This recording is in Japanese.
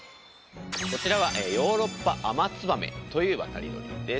こちらはヨーロッパアマツバメという渡り鳥です。